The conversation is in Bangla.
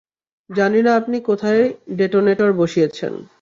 জানি না আপনি কোথায় ডেটোনেটর বসিয়েছেন।